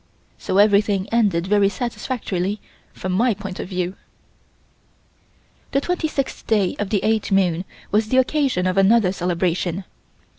So everything ended very satisfactorily from my point of view. The twenty sixth day of the eighth moon was the occasion of another celebration.